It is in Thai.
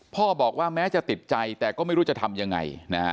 พ่อบอกว่าแม้จะติดใจแต่ก็ไม่รู้จะทำยังไง